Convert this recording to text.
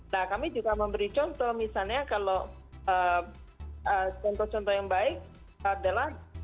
nah kami juga memberi contoh misalnya kalau contoh contoh yang baik adalah